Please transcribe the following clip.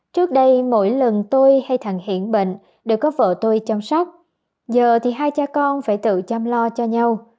trước đây mỗi lần tôi hay thần hiển bệnh đều có vợ tôi chăm sóc giờ thì hai cha con phải tự chăm lo cho nhau